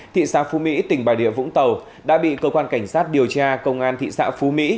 thị xã phú mỹ tỉnh bà địa vũng tàu đã bị cơ quan cảnh sát điều tra công an thị xã phú mỹ